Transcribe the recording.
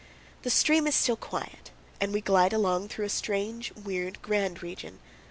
The stream is still quiet, and we glide along through a strange, weird, grand region.